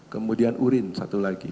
kemudian urin satu lagi